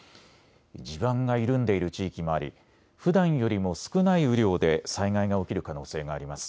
地盤が緩んでいる地域もありふだんよりも少ない雨量で災害が起きる可能性があります。